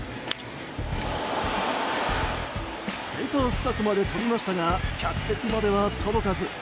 センター深くまで飛びましたが客席までは届かず。